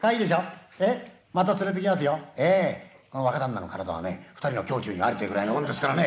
ええこの若旦那の体はね二人の胸中にあるというぐらいのもんですからね。